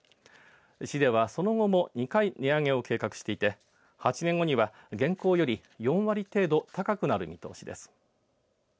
市ではその後も２回値上げを計画していて８年後には現行より４割程度高くなる見通しです。